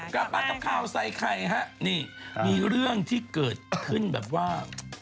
กลับมากับข่าวใส่ไข่ฮะนี่มีเรื่องที่เกิดขึ้นแบบว่า